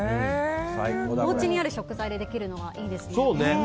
おうちにある食材でできるのがいいですね。